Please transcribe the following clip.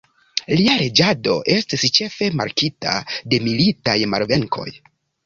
Lia reĝado estis ĉefe markita de militaj malvenkoj.